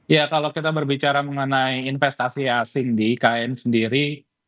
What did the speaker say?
ya kalau kita berbicara mengenai investasi asing di ikn sendiri